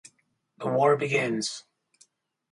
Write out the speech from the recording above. The war begins.